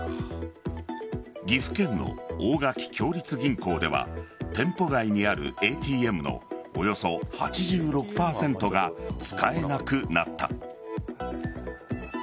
岐阜県の大垣共立銀行では店舗外にあるＡＴＭのおよそ８６％が使えなくなった。